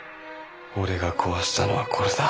俺が壊したのはこれだ。